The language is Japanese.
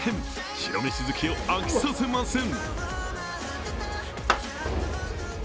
白飯好きを飽きさせません。